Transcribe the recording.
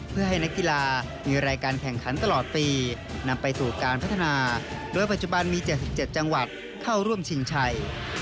เพื่อให้นักกีฬามีรายการแข่งขันตลอดปีนำไปสู่การพัฒนาโดยปัจจุบันมี๗๗จังหวัดเข้าร่วมชิงชัย